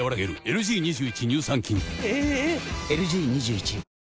⁉ＬＧ２１